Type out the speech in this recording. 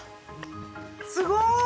すごーい！